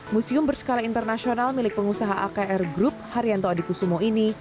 museum berskala internasional milik pengusaha akr group haryanto adikusumo ini